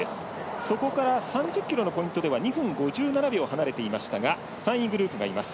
そこから３０ｋｍのポイントでは２分５７秒離れていましたが３位グループがいます。